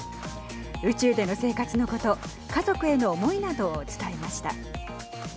宇宙での生活のこと家族への思いなどを伝えました。